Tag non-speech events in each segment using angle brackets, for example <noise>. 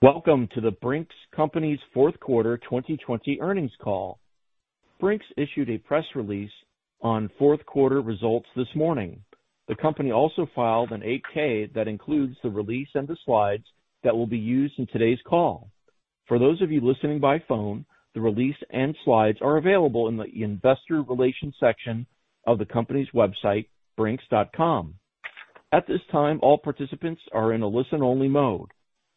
Welcome to The Brink's Company's Fourth Quarter 2020 Earnings Call. Brink's issued a press release on fourth quarter results this morning. The company also filed an 8-K that includes the release and the slides that will be used in today's call. For those of you listening by phone, the release and slides are available in the investor relations section of the company's website, brinks.com. At this time, all participants are in a listen-only mode.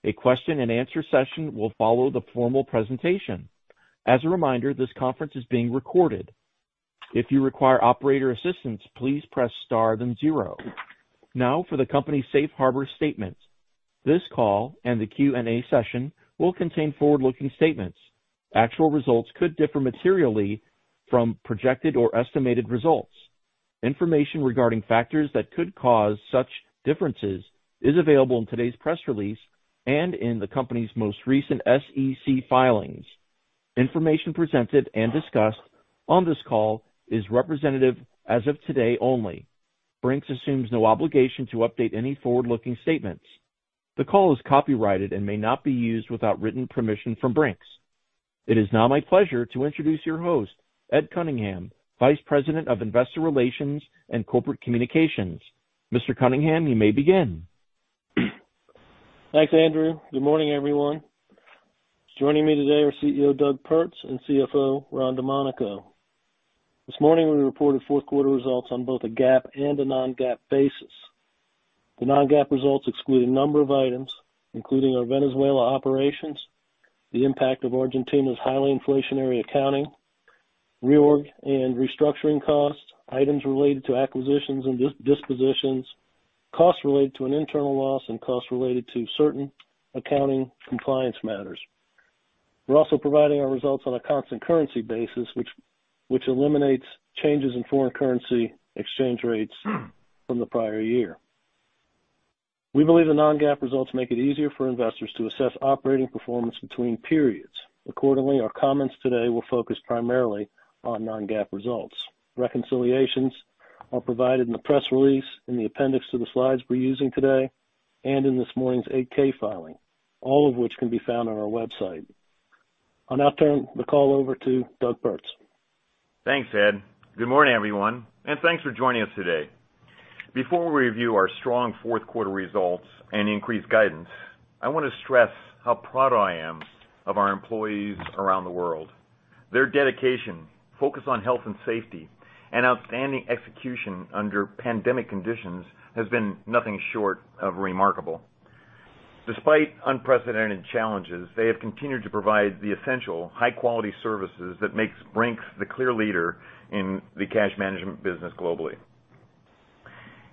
A question and answer session will follow the formal presentation. As a reminder, this conference is being recorded. If you require operator assistance, please press star then zero. Now for the company's safe harbor statement. This call and the Q&A session will contain forward-looking statements. Actual results could differ materially from projected or estimated results. Information regarding factors that could cause such differences is available in today's press release and in the company's most recent SEC filings. Information presented and discussed on this call is representative as of today only. Brink's assumes no obligation to update any forward-looking statements. The call is copyrighted and may not be used without written permission from Brink's. It is now my pleasure to introduce your host, Ed Cunningham, Vice President of Investor Relations and Corporate Communications. Mr. Cunningham, you may begin. Thanks, Andrew. Good morning, everyone. Joining me today are CEO Doug Pertz and CFO Ron Domanico. This morning, we reported fourth quarter results on both a GAAP and a non-GAAP basis. The non-GAAP results exclude a number of items, including our Venezuela operations, the impact of Argentina's highly inflationary accounting, reorg and restructuring costs, items related to acquisitions and dispositions, costs related to an internal loss, and costs related to certain accounting compliance matters. We're also providing our results on a constant currency basis, which eliminates changes in foreign currency exchange rates from the prior year. We believe the non-GAAP results make it easier for investors to assess operating performance between periods. Our comments today will focus primarily on non-GAAP results. Reconciliations are provided in the press release, in the appendix to the slides we're using today, and in this morning's 8-K filing, all of which can be found on our website. I'll now turn the call over to Doug Pertz. Thanks, Ed. Good morning, everyone, and thanks for joining us today. Before we review our strong fourth quarter results and increased guidance, I want to stress how proud I am of our employees around the world. Their dedication, focus on health and safety, and outstanding execution under pandemic conditions has been nothing short of remarkable. Despite unprecedented challenges, they have continued to provide the essential high-quality services that makes Brink's the clear leader in the cash management business globally.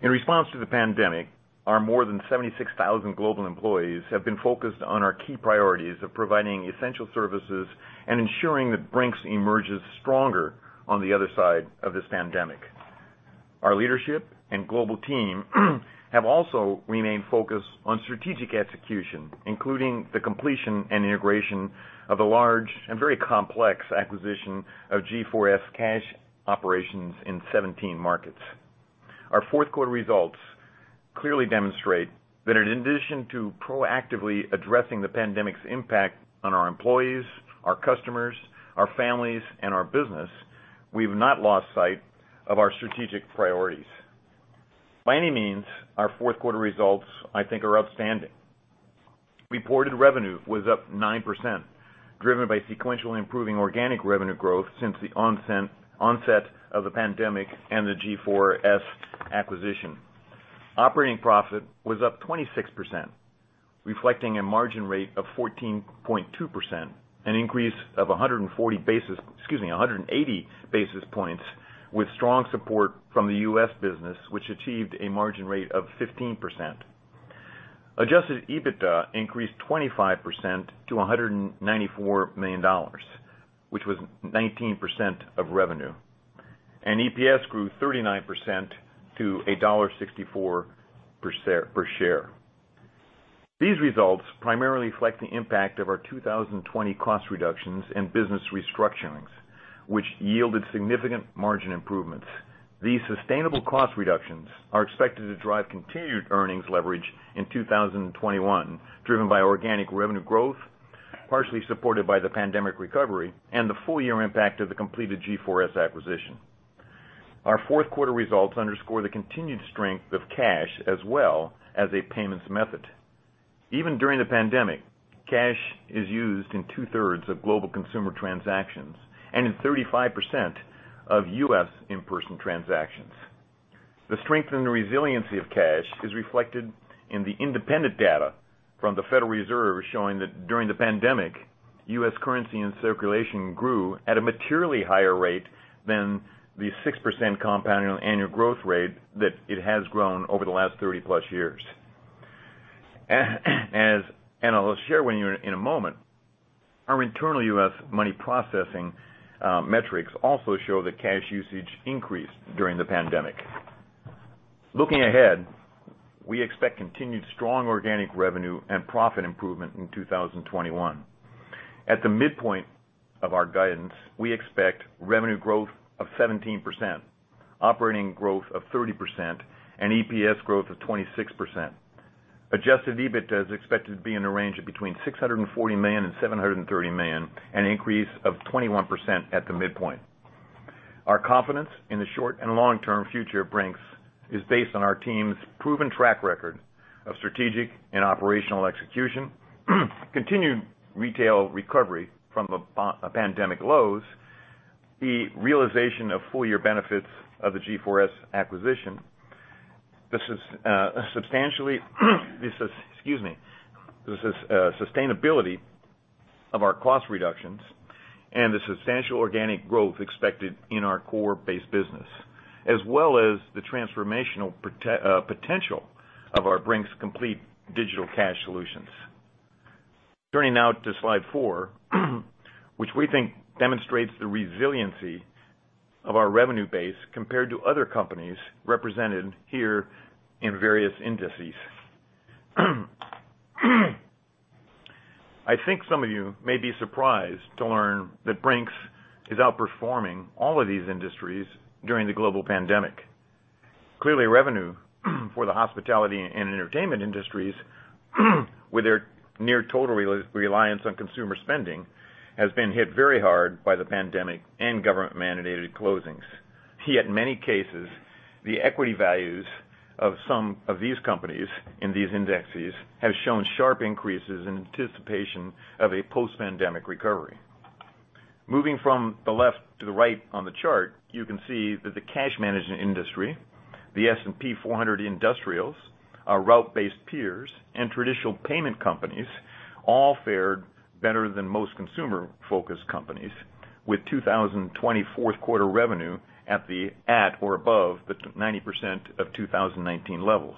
In response to the pandemic, our more than 76,000 global employees have been focused on our key priorities of providing essential services and ensuring that Brink's emerges stronger on the other side of this pandemic. Our leadership and global team have also remained focused on strategic execution, including the completion and integration of the large and very complex acquisition of G4S cash operations in 17 markets. Our fourth quarter results clearly demonstrate that in addition to proactively addressing the pandemic's impact on our employees, our customers, our families, and our business, we've not lost sight of our strategic priorities. By any means, our fourth quarter results, I think, are outstanding. Reported revenue was up 9%, driven by sequentially improving organic revenue growth since the onset of the pandemic and the G4S acquisition. Operating profit was up 26%, reflecting a margin rate of 14.2%, an increase of 180 basis points with strong support from the U.S. business, which achieved a margin rate of 15%. Adjusted EBITDA increased 25% to $194 million, which was 19% of revenue. EPS grew 39% to $1.64 per share. These results primarily reflect the impact of our 2020 cost reductions and business restructurings, which yielded significant margin improvements. These sustainable cost reductions are expected to drive continued earnings leverage in 2021, driven by organic revenue growth, partially supported by the pandemic recovery and the full year impact of the completed G4S acquisition. Our fourth quarter results underscore the continued strength of cash as well as a payments method. Even during the pandemic, cash is used in 2/3 of global consumer transactions and in 35% of U.S. in-person transactions. The strength and the resiliency of cash is reflected in the independent data from the Federal Reserve showing that during the pandemic, U.S. currency in circulation grew at a materially higher rate than the 6% compounding annual growth rate that it has grown over the last 30+ years. I'll share with you in a moment; our internal U.S. money processing metrics also show that cash usage increased during the pandemic. Looking ahead, we expect continued strong organic revenue and profit improvement in 2021. At the midpoint of our guidance, we expect revenue growth of 17%, operating growth of 30%, and EPS growth of 26%. Adjusted EBITDA is expected to be in a range of between $640 million and $730 million, an increase of 21% at the midpoint. Our confidence in the short and long-term future of Brink's is based on our team's proven track record of strategic and operational execution, continued retail recovery from the pandemic lows, the realization of full-year benefits of the G4S acquisition. The sustainability of our cost reductions and the substantial organic growth expected in our core base business, as well as the transformational potential of our Brink's Complete Digital Cash Solutions. Turning now to slide four, which we think demonstrates the resiliency of our revenue base compared to other companies represented here in various indices. I think some of you may be surprised to learn that Brink's is outperforming all of these industries during the global pandemic. Clearly, revenue for the hospitality and entertainment industries, with their near total reliance on consumer spending, has been hit very hard by the pandemic and government-mandated closings. Yet in many cases, the equity values of some of these companies in these indexes have shown sharp increases in anticipation of a post-pandemic recovery. Moving from the left to the right on the chart, you can see that the cash management industry, the S&P 400 Industrials, our route-based peers, and traditional payment companies all fared better than most consumer-focused companies, with 2020 fourth quarter revenue at or above the 90% of 2019 levels.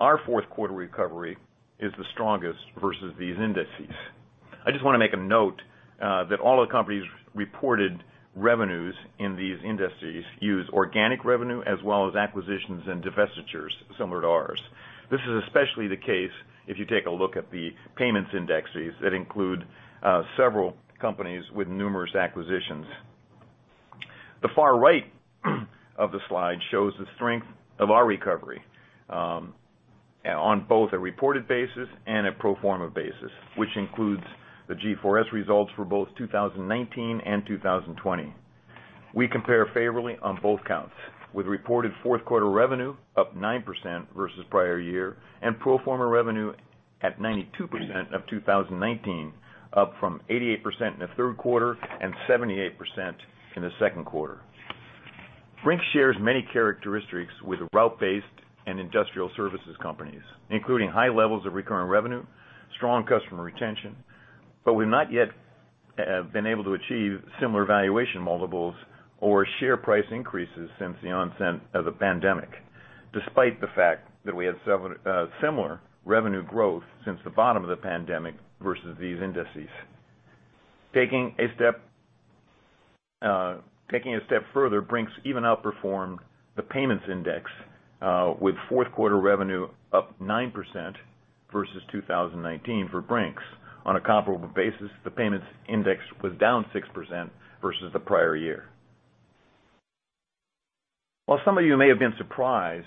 Our fourth quarter recovery is the strongest versus these indices. I just want to make a note that all the companies' reported revenues in these indices use organic revenue as well as acquisitions and divestitures similar to ours. This is especially the case if you take a look at the payments indices that include several companies with numerous acquisitions. The far right of the slide shows the strength of our recovery on both a reported basis and a pro forma basis, which includes the G4S results for both 2019 and 2020. We compare favorably on both counts, with reported fourth quarter revenue up 9% versus prior year, and pro forma revenue at 92% of 2019, up from 88% in the third quarter and 78% in the second quarter. Brink's shares many characteristics with route-based and industrial services companies, including high levels of recurring revenue, strong customer retention, but we've not yet been able to achieve similar valuation multiples or share price increases since the onset of the pandemic, despite the fact that we had similar revenue growth since the bottom of the pandemic versus these indices. Taking a step further, Brink's even outperformed the payments index, with fourth quarter revenue up 9% versus 2019 for Brink's. On a comparable basis, the payments index was down 6% versus the prior year. While some of you may have been surprised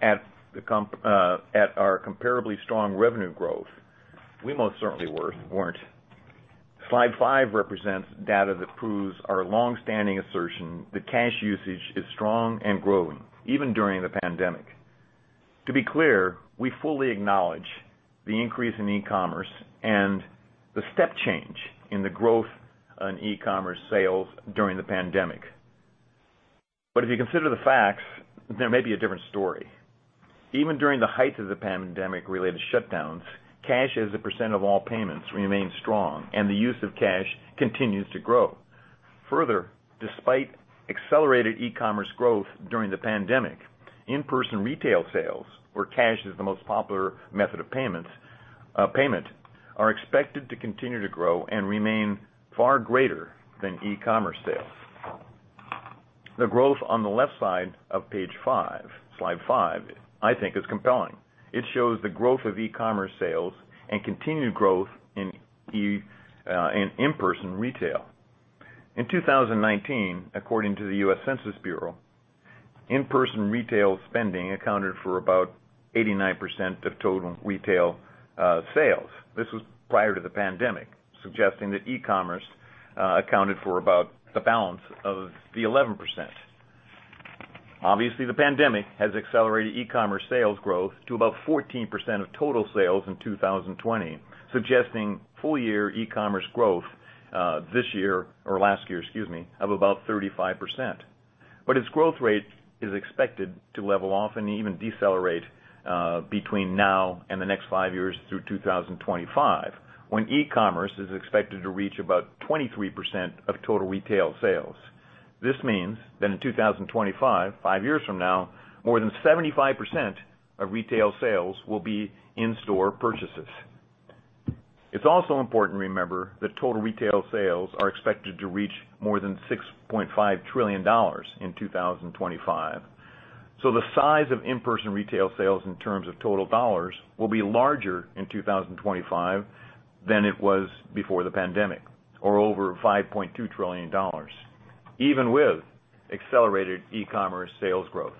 at our comparably strong revenue growth, we most certainly weren't. Slide five represents data that proves our long-standing assertion that cash usage is strong and growing, even during the pandemic. To be clear, we fully acknowledge the increase in e-commerce and the step change in the growth in e-commerce sales during the pandemic. If you consider the facts, there may be a different story. Even during the height of the pandemic-related shutdowns, cash as a percent of all payments remained strong, and the use of cash continues to grow. Further, despite accelerated e-commerce growth during the pandemic, in-person retail sales, where cash is the most popular method of payment, are expected to continue to grow and remain far greater than e-commerce sales. The growth on the left side of page five, slide five, I think is compelling. It shows the growth of e-commerce sales and continued growth in in-person retail. In 2019, according to the U.S. Census Bureau, in-person retail spending accounted for about 89% of total retail sales. This was prior to the pandemic, suggesting that e-commerce accounted for about the balance of the 11%. Obviously, the pandemic has accelerated e-commerce sales growth to about 14% of total sales in 2020, suggesting full-year e-commerce growth this year, or last year, excuse me, of about 35%. Its growth rate is expected to level off and even decelerate between now and the next five years through 2025, when e-commerce is expected to reach about 23% of total retail sales. This means that in 2025, five years from now, more than 75% of retail sales will be in-store purchases. It's also important to remember that total retail sales are expected to reach more than $6.5 trillion in 2025. The size of in-person retail sales in terms of total dollars will be larger in 2025 than it was before the pandemic, or over $5.2 trillion, even with accelerated e-commerce sales growth.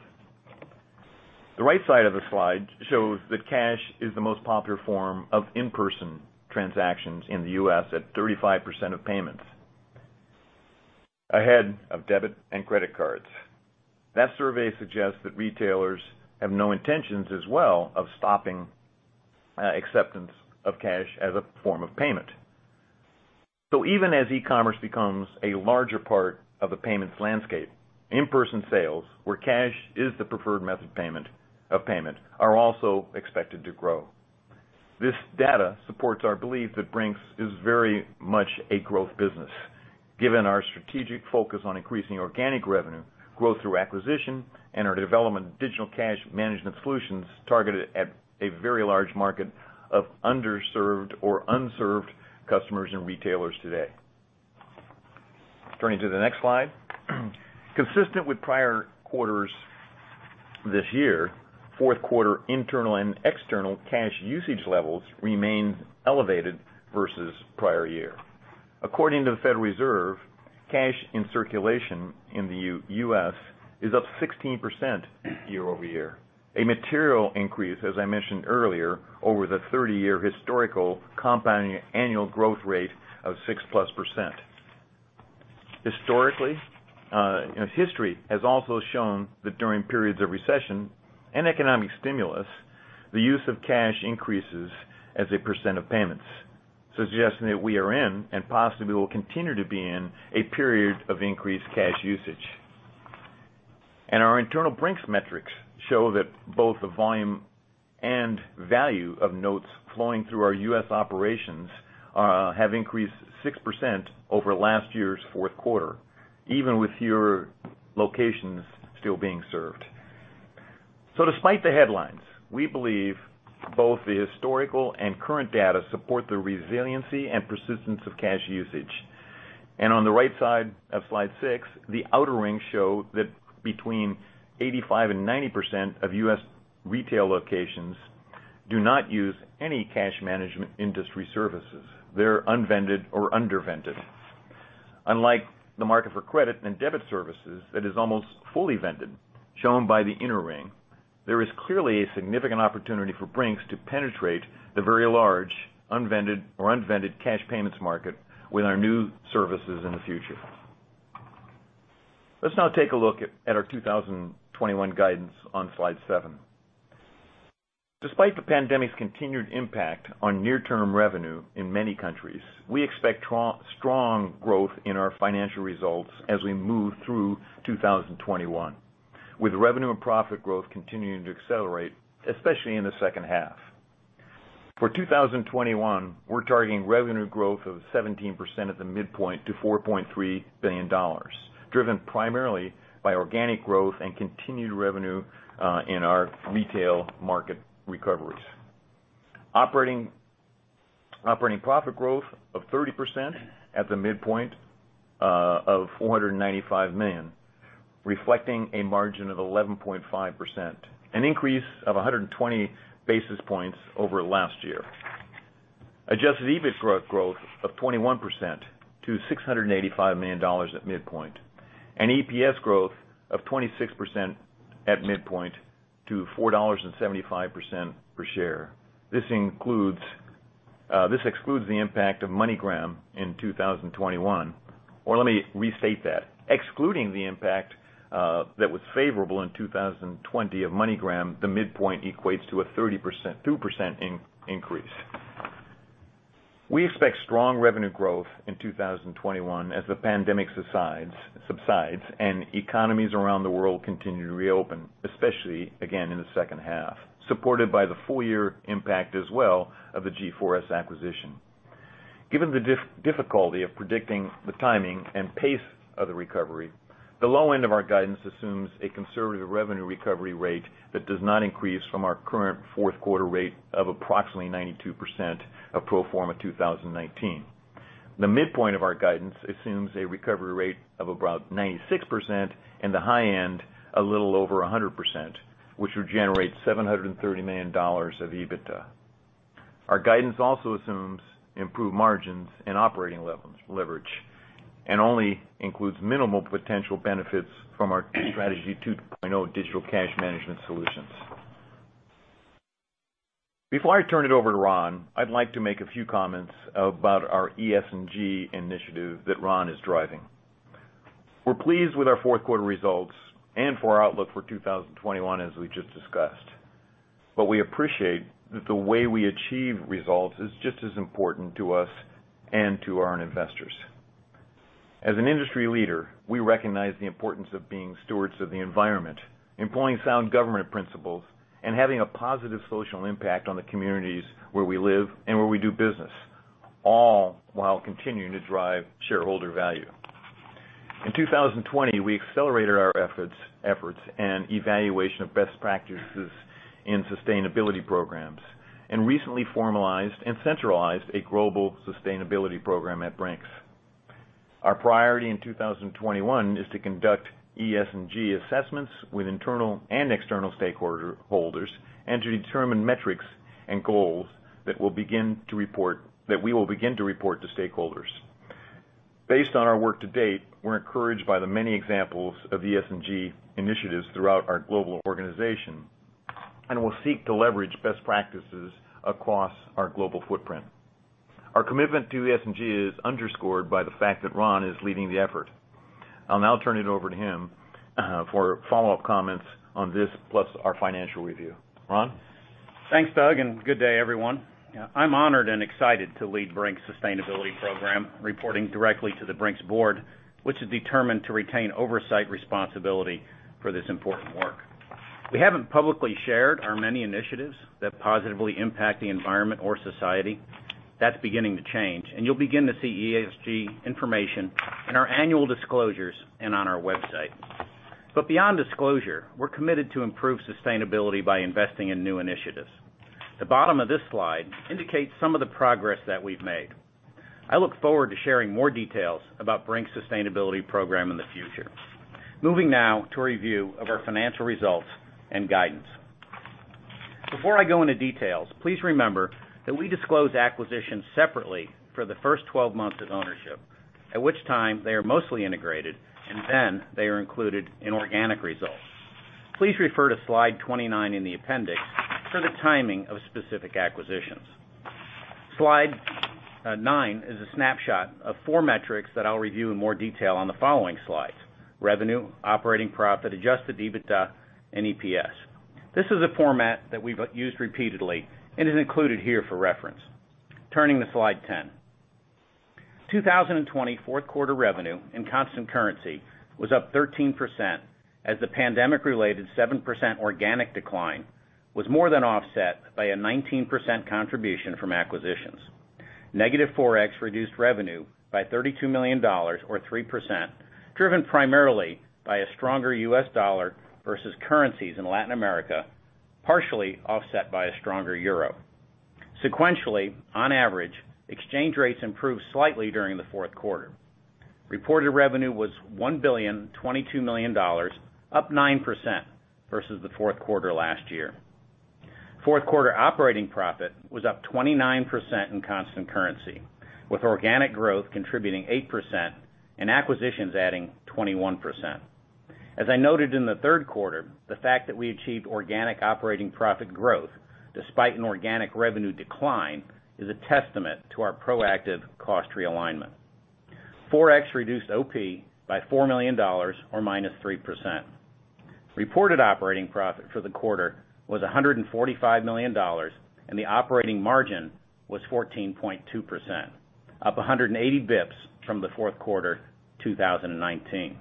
The right side of the slide shows that cash is the most popular form of in-person transactions in the U.S., at 35% of payments, ahead of debit and credit cards. That survey suggests that retailers have no intentions as well of stopping acceptance of cash as a form of payment. Even as e-commerce becomes a larger part of the payments landscape, in-person sales where cash is the preferred method of payment are also expected to grow. This data supports our belief that Brink's is very much a growth business, given our strategic focus on increasing organic revenue growth through acquisition and our development of digital cash management solutions targeted at a very large market of underserved or unserved customers and retailers today. Turning to the next slide. Consistent with prior quarters this year, fourth quarter internal and external cash usage levels remained elevated versus prior year. According to the Federal Reserve, cash in circulation in the U.S. is up 16% year-over-year, a material increase, as I mentioned earlier, over the 30-year historical compounding annual growth rate of 6+%. History has also shown that during periods of recession and economic stimulus, the use of cash increases as a percent of payments, suggesting that we are in, and possibly will continue to be in, a period of increased cash usage. Our internal Brink's metrics show that both the volume and value of notes flowing through our U.S. operations have increased 6% over last year's fourth quarter, even with fewer locations still being served. Despite the headlines, we believe both the historical and current data support the resiliency and persistence of cash usage. On the right side of slide six, the outer ring show that between 85% and 90% of U.S. retail locations do not use any cash management industry services. They're unvended or undervended. Unlike the market for credit and debit services that is almost fully vended, shown by the inner ring, there is clearly a significant opportunity for Brink's to penetrate the very large unvended or undervended cash payments market with our new services in the future. Let's now take a look at our 2021 guidance on slide seven. Despite the pandemic's continued impact on near-term revenue in many countries, we expect strong growth in our financial results as we move through 2021, with revenue and profit growth continuing to accelerate, especially in the second half. For 2021, we're targeting revenue growth of 17% at the midpoint to $4.3 billion, driven primarily by organic growth and continued revenue in our retail market recoveries. Operating profit growth of 30% at the midpoint of $495 million, reflecting a margin of 11.5%, an increase of 120 basis points over last year. Adjusted EBITDA growth of 21% to $685 million at midpoint, and EPS growth of 26% at midpoint to $4.75 per share. This excludes the impact of MoneyGram in 2021. Let me restate that. Excluding the impact that was favorable in 2020 of MoneyGram, the midpoint equates to a 32% increase. We expect strong revenue growth in 2021 as the pandemic subsides and economies around the world continue to reopen, especially, again, in the second half, supported by the full-year impact as well of the G4S acquisition. Given the difficulty of predicting the timing and pace of the recovery, the low end of our guidance assumes a conservative revenue recovery rate that does not increase from our current fourth quarter rate of approximately 92% of pro forma 2019. The midpoint of our guidance assumes a recovery rate of about 96%, and the high end a little over 100%, which would generate $730 million of EBITDA. Our guidance also assumes improved margins and operating leverage, and only includes minimal potential benefits from our Strategy 2.0 digital cash management solutions. Before I turn it over to Ron, I'd like to make a few comments about our ESG initiative that Ron is driving. We're pleased with our fourth quarter results and for our outlook for 2021, as we just discussed. We appreciate that the way we achieve results is just as important to us and to our own investors. As an industry leader, we recognize the importance of being stewards of the environment, employing sound government principles, and having a positive social impact on the communities where we live and where we do business, all while continuing to drive shareholder value. In 2020, we accelerated our efforts and evaluation of best practices in sustainability programs, and recently formalized and centralized a global sustainability program at Brink's. Our priority in 2021 is to conduct ESG assessments with internal and external stakeholders, and to determine metrics and goals that we will begin to report to stakeholders. Based on our work to date, we're encouraged by the many examples of ESG initiatives throughout our global organization, and we'll seek to leverage best practices across our global footprint. Our commitment to ESG is underscored by the fact that Ron is leading the effort. I'll now turn it over to him for follow-up comments on this plus our financial review. Ron? Thanks, Doug. Good day, everyone. I'm honored and excited to lead Brink's sustainability program, reporting directly to the Brink's board, which is determined to retain oversight responsibility for this important work. We haven't publicly shared our many initiatives that positively impact the environment or society. That's beginning to change. You'll begin to see ESG information in our annual disclosures and on our website. Beyond disclosure, we're committed to improve sustainability by investing in new initiatives. The bottom of this slide indicates some of the progress that we've made. I look forward to sharing more details about Brink's sustainability program in the future. Moving now to a review of our financial results and guidance. Before I go into details, please remember that we disclose acquisitions separately for the first 12 months of ownership, at which time they are mostly integrated, and then they are included in organic results. Please refer to slide 29 in the appendix for the timing of specific acquisitions. Slide nine is a snapshot of four metrics that I'll review in more detail on the following slides, revenue, operating profit, adjusted EBITDA, and EPS. This is a format that we've used repeatedly and is included here for reference. Turning to slide 10. 2020 fourth quarter revenue in constant currency was up 13% as the pandemic-related 7% organic decline was more than offset by a 19% contribution from acquisitions. Negative Forex reduced revenue by $32 million, or 3%, driven primarily by a stronger U.S. dollar versus currencies in Latin America, partially offset by a stronger euro. Sequentially, on average, exchange rates improved slightly during the fourth quarter. Reported revenue was $1 billion, $22 million, up 9% versus the fourth quarter last year. Fourth quarter operating profit was up 29% in constant currency, with organic growth contributing 8% and acquisitions adding 21%. As I noted in the third quarter, the fact that we achieved organic operating profit growth despite an organic revenue decline is a testament to our proactive cost realignment. Forex reduced OP by $4 million, or -3%. Reported operating profit for the quarter was $145 million, and the operating margin was 14.2%, up 180 bips from the fourth quarter 2019.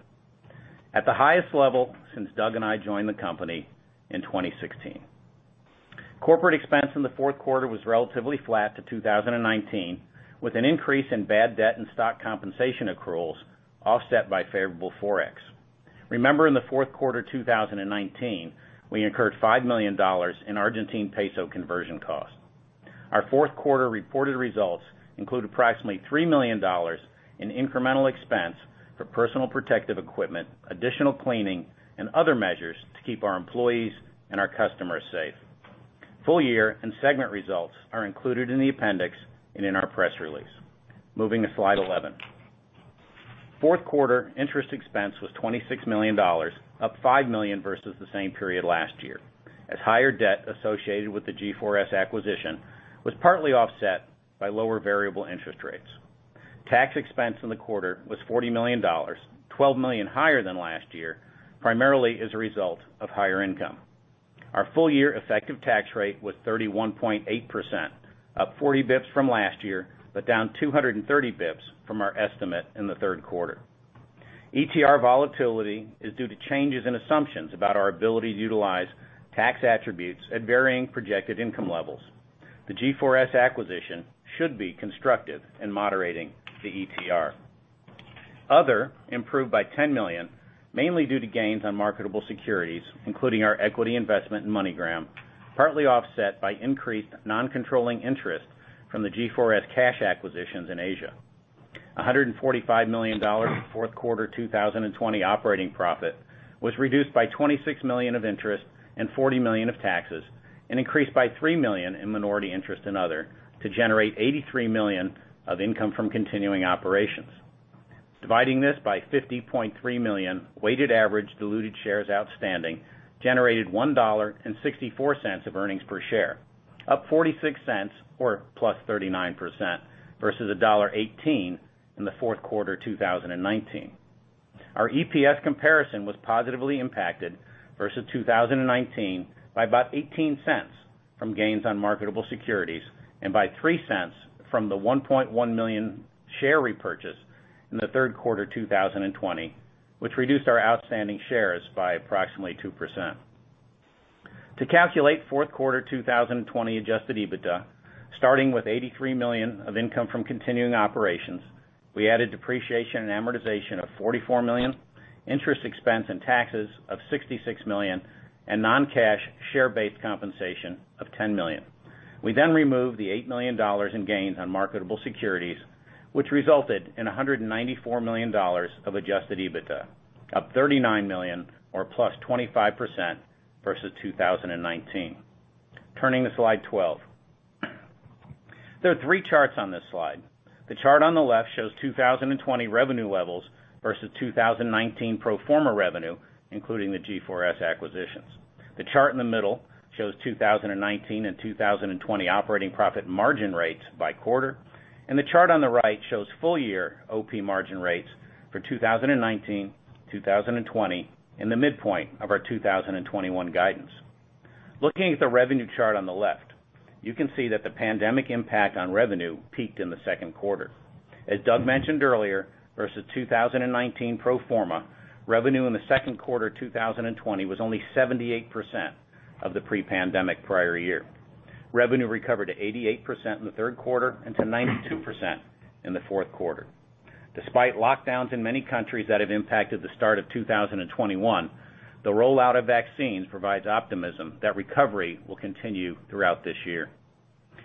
At the highest level since Doug and I joined the company in 2016. Corporate expense in the fourth quarter was relatively flat to 2019, with an increase in bad debt and stock compensation accruals offset by favorable Forex. Remember, in the fourth quarter 2019, we incurred $5 million in Argentine peso conversion costs. Our fourth quarter reported results include approximately $3 million in incremental expense for personal protective equipment, additional cleaning, and other measures to keep our employees and our customers safe. Full year and segment results are included in the appendix and in our press release. Moving to slide 11. Fourth quarter interest expense was $26 million, up $5 million versus the same period last year, as higher debt associated with the G4S acquisition was partly offset by lower variable interest rates. Tax expense in the quarter was $40 million, $12 million higher than last year, primarily as a result of higher income. Our full year effective tax rate was 31.8%, up 40 basis points from last year, but down 230 basis points from our estimate in the third quarter. ETR volatility is due to changes in assumptions about our ability to utilize tax attributes at varying projected income levels. The G4S acquisition should be constructive in moderating the ETR. Other improved by $10 million, mainly due to gains on marketable securities, including our equity investment in MoneyGram, partly offset by increased non-controlling interest from the G4S cash acquisitions in Asia. $145 million fourth quarter 2020 operating profit was reduced by $26 million of interest and $40 million of taxes, and increased by $3 million in minority interest and other, to generate $83 million of income from continuing operations. Dividing this by 50.3 million weighted average diluted shares outstanding generated $1.64 of earnings per share, up $0.46, or +39%, versus $1.18 in the fourth quarter 2019. Our EPS comparison was positively impacted versus 2019 by about $0.18 from gains on marketable securities, and by $0.03 from the 1.1 million shares repurchase in the third quarter 2020, which reduced our outstanding shares by approximately 2%. To calculate fourth quarter 2020 adjusted EBITDA, starting with $83 million of income from continuing operations, we added depreciation and amortization of $44 million, interest expense and taxes of $66 million, and non-cash share-based compensation of $10 million. We removed the $8 million in gains on marketable securities, which resulted in $194 million of adjusted EBITDA, up $39 million or +25% versus 2019. Turning to slide 12. There are three charts on this slide. The chart on the left shows 2020 revenue levels versus 2019 pro forma revenue, including the G4S acquisitions. The chart in the middle shows 2019 and 2020 operating profit margin rates by quarter, and the chart on the right shows full year OP margin rates for 2019, 2020, and the midpoint of our 2021 guidance. Looking at the revenue chart on the left, you can see that the pandemic impact on revenue peaked in the second quarter. As Doug mentioned earlier, versus 2019 pro forma, revenue in the second quarter 2020 was only 78% of the pre-pandemic prior year. Revenue recovered to 88% in the third quarter and to 92% in the fourth quarter. Despite lockdowns in many countries that have impacted the start of 2021, the rollout of vaccines provides optimism that recovery will continue throughout this year.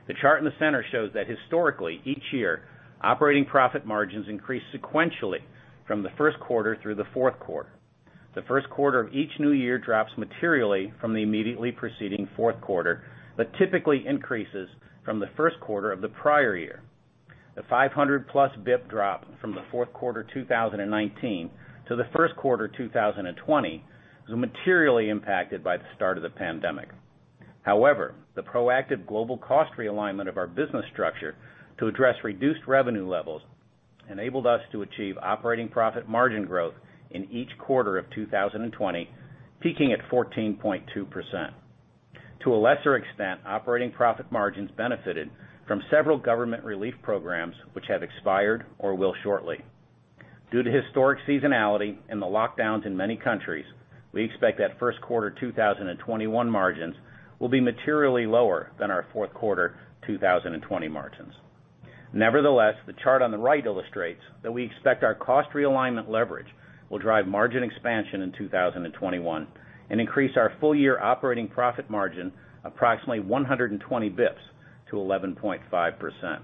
The chart in the center shows that historically, each year, operating profit margins increase sequentially from the first quarter through the fourth quarter. The first quarter of each new year drops materially from the immediately preceding fourth quarter, but typically increases from the first quarter of the prior year. The 500+ bips drop from the fourth quarter 2019 to the first quarter 2020 was materially impacted by the start of the pandemic. However, the proactive global cost realignment of our business structure to address reduced revenue levels enabled us to achieve operating profit margin growth in each quarter of 2020, peaking at 14.2%. To a lesser extent, operating profit margins benefited from several government relief programs, which have expired or will shortly. Due to historic seasonality and the lockdowns in many countries, we expect that first quarter 2021 margins will be materially lower than our fourth quarter 2020 margins. Nevertheless, the chart on the right illustrates that we expect our cost realignment leverage will drive margin expansion in 2021 and increase our full-year operating profit margin approximately 120 bips to 11.5%.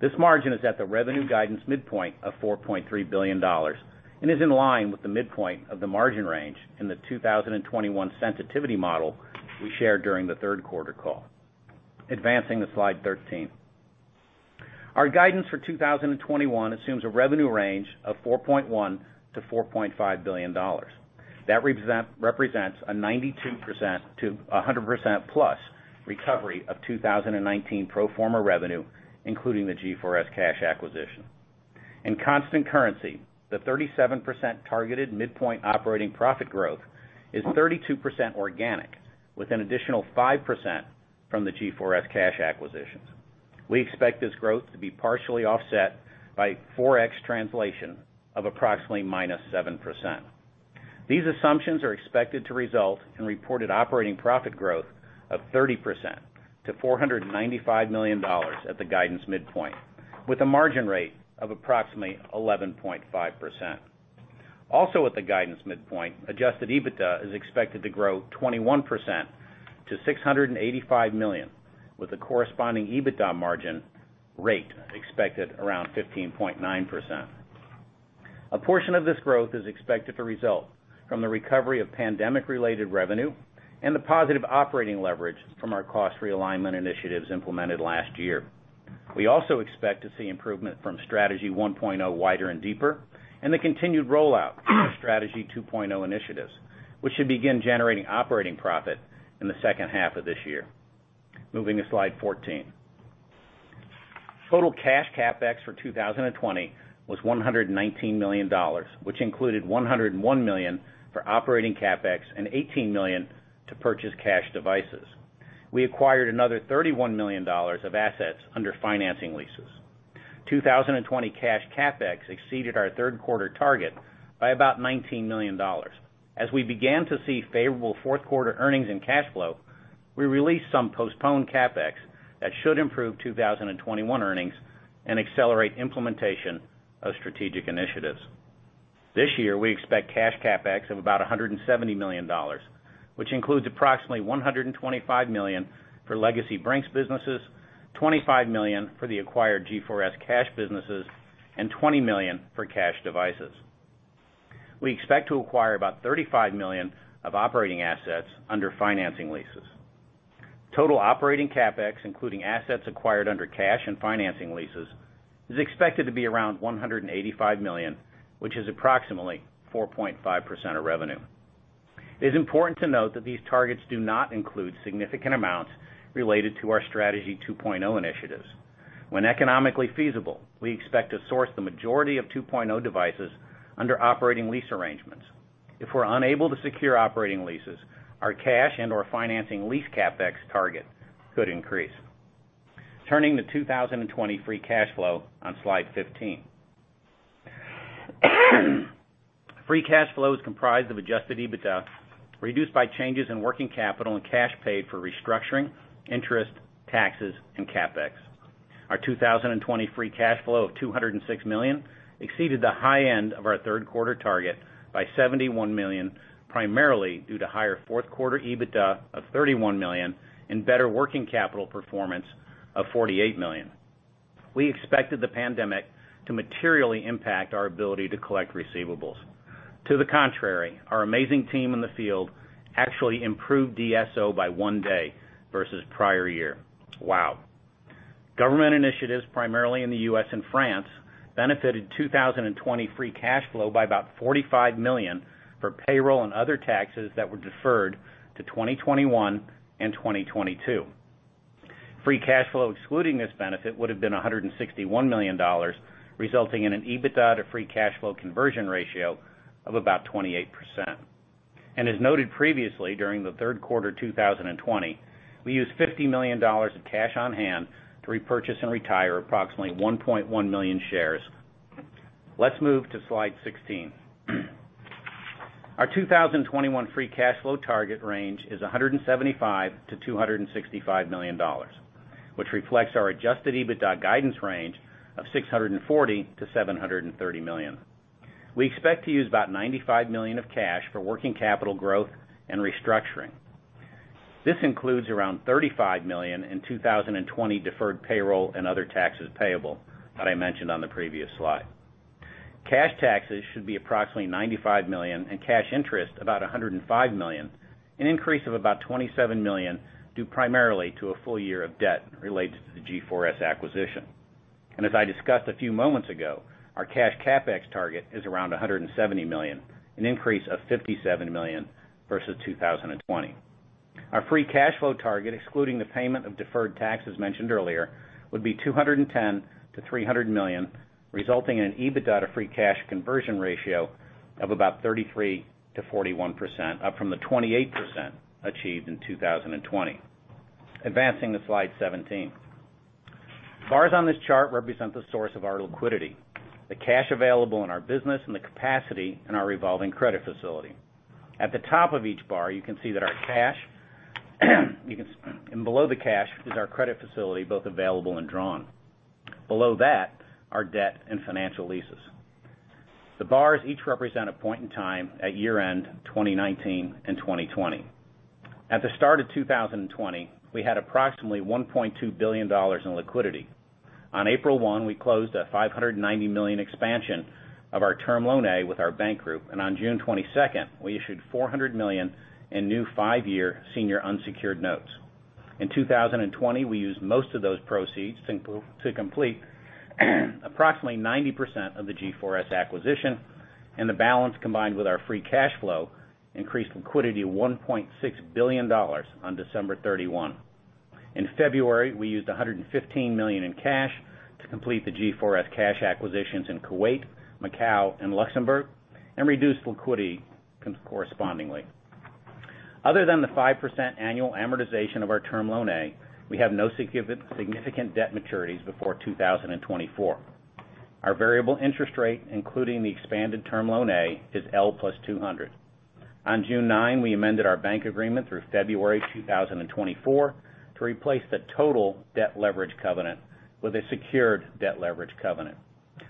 This margin is at the revenue guidance midpoint of $4.3 billion and is in line with the midpoint of the margin range in the 2021 sensitivity model we shared during the third quarter call. Advancing to slide 13. Our guidance for 2021 assumes a revenue range of $4.1 billion-$4.5 billion. That represents a 92%-100%+ recovery of 2019 pro forma revenue, including the G4S Cash acquisition. In constant currency, the 37% targeted midpoint operating profit growth is 32% organic, with an additional 5% from the G4S Cash acquisitions. We expect this growth to be partially offset by Forex translation of approximately -7%. These assumptions are expected to result in reported operating profit growth of 30% to $495 million at the guidance midpoint, with a margin rate of approximately 11.5%. At the guidance midpoint, adjusted EBITDA is expected to grow 21% to $685 million, with a corresponding EBITDA margin rate expected around 15.9%. A portion of this growth is expected to result from the recovery of pandemic-related revenue and the positive operating leverage from our cost realignment initiatives implemented last year. We also expect to see improvement from Strategy 1.0 Wider and Deeper and the continued rollout of Strategy 2.0 initiatives, which should begin generating operating profit in the second half of this year. Moving to slide 14. Total cash CapEx for 2020 was $119 million, which included $101 million for operating CapEx and $18 million to purchase cash devices. We acquired another $31 million of assets under financing leases. 2020 cash CapEx exceeded our third-quarter target by about $19 million. As we began to see favorable fourth-quarter earnings and cash flow, we released some postponed CapEx that should improve 2021 earnings and accelerate implementation of strategic initiatives. This year, we expect cash CapEx of about $170 million, which includes approximately $125 million for legacy Brink's businesses, $25 million for the acquired G4S Cash businesses, and $20 million for cash devices. We expect to acquire about $35 million of operating assets under financing leases. Total operating CapEx, including assets acquired under cash and financing leases, is expected to be around $185 million, which is approximately 4.5% of revenue. It is important to note that these targets do not include significant amounts related to our Strategy 2.0 initiatives. When economically feasible, we expect to source the majority of 2.0 devices under operating lease arrangements. If we're unable to secure operating leases, our cash and/or financing lease CapEx target could increase. Turning to 2020 free cash flow on slide 15. Free cash flow is comprised of adjusted EBITDA reduced by changes in working capital and cash paid for restructuring, interest, taxes, and CapEx. Our 2020 free cash flow of $206 million exceeded the high end of our third quarter target by $71 million, primarily due to higher fourth quarter EBITDA of $31 million and better working capital performance of $48 million. We expected the pandemic to materially impact our ability to collect receivables. To the contrary, our amazing team in the field actually improved DSO by one day versus prior year. Wow. Government initiatives, primarily in the U.S. and France, benefited 2020 free cash flow by about $45 million for payroll and other taxes that were deferred to 2021 and 2022. Free cash flow excluding this benefit would have been $161 million, resulting in an EBITDA to free cash flow conversion ratio of about 28%. As noted previously during the third quarter 2020, we used $50 million of cash on hand to repurchase and retire approximately 1.1 million shares. Let's move to slide 16. Our 2021 free cash flow target range is $175 million-$265 million, which reflects our adjusted EBITDA guidance range of $640 million-$730 million. We expect to use about $95 million of cash for working capital growth and restructuring. This includes around $35 million in 2020 deferred payroll and other taxes payable that I mentioned on the previous slide. Cash taxes should be approximately $95 million, and cash interest about $105 million, an increase of about $27 million, due primarily to a full year of debt related to the G4S acquisition. As I discussed a few moments ago, our cash CapEx target is around $170 million, an increase of $57 million versus 2020. Our free cash flow target, excluding the payment of deferred taxes mentioned earlier, would be $210 million-$300 million, resulting in an EBITDA to free cash conversion ratio of about 33%-41%, up from the 28% achieved in 2020. Advancing to slide 17. Bars on this chart represent the source of our liquidity, the cash available in our business, and the capacity in our revolving credit facility. At the top of each bar, you can see that our cash, and below the cash is our credit facility, both available and drawn. Below that, our debt and financial leases. The bars each represent a point in time at year-end 2019 and 2020. At the start of 2020, we had approximately $1.2 billion in liquidity. On April 1, we closed a $590 million expansion of our term loan A with our bank group, and on June 22nd, we issued $400 million in new five-year senior unsecured notes. In 2020, we used most of those proceeds to complete approximately 90% of the G4S acquisition, and the balance, combined with our free cash flow, increased liquidity to $1.6 billion on December 31. In February, we used $115 million in cash to complete the G4S cash acquisitions in Kuwait, Macau, and Luxembourg and reduced liquidity correspondingly. Other than the 5% annual amortization of our term loan A, we have no significant debt maturities before 2024. Our variable interest rate, including the expanded term loan A, is L +200. On June 9, we amended our bank agreement through February 2024 to replace the total debt leverage covenant with a secured debt leverage covenant.